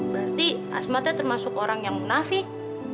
berarti asmatnya termasuk orang yang munafik